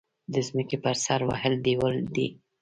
د ځمکې پر سر وهل ډبول دي.